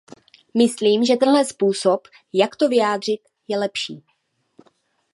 Myslím, že tenhle způsob, jak to vyjádřit, je lepší.